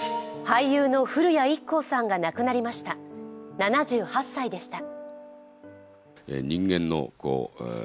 俳優の古谷一行さんが亡くなりました、７８歳でした。